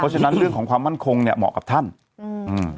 ฉะนั้นเรื่องของความมั่นคงเนี้ยเหมาะกับท่านอืมอืม